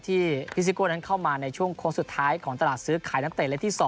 ที่พิซิโก้นั้นเข้ามาในช่วงโค้งสุดท้ายของตลาดซื้อขายนักเตะเล็กที่๒